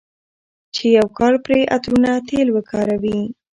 چې يو کال پرې عطرونه، تېل وکاروي،